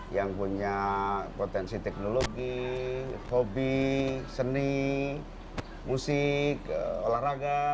yang punya potensi teknologi hobi seni musik olahraga